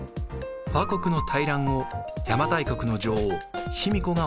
倭国の大乱を邪馬台国の女王・卑弥呼がおさめ